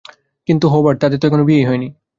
কিন্তু, হুবার্ট, তাদের তো এখনো বিয়েই হয়নি।